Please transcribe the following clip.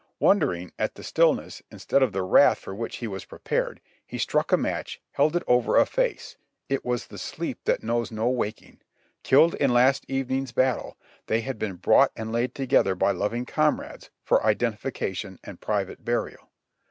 Wondering at the stilhiess, instead of the wrath for which he was prepared, he struck a match, held it over a face; it was the sleep that knows no waking; killed in last evening's battle, they had been brought and laid together by loving comrades, for identification and private burial.